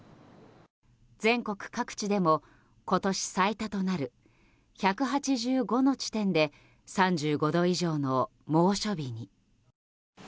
全国各地でも今年最多となる１８５の地点で３５度以上の猛暑日に。